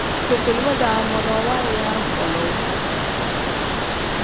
Fefelima-daa monoo waaya baaloo.